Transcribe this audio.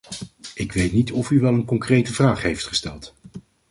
Ik weet niet of u wel een concrete vraag heeft gesteld.